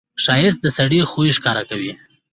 ښایست د سړي خوی ښکاروي